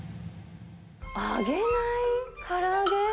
揚げないから揚げ？